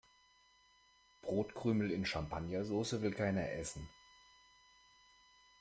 Brotkrümel in Champagnersoße will keiner essen.